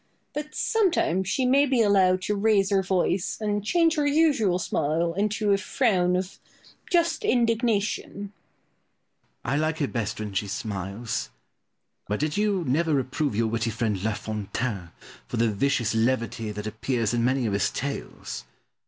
But sometimes she may be allowed to raise her voice, and change her usual smile into a frown of just indignation. Pope. I like her best when she smiles. But did you never reprove your witty friend, La Fontaine, for the vicious levity that appears in many of his tales?